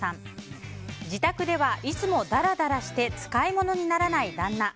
自宅では、いつもダラダラして使い物にならない旦那。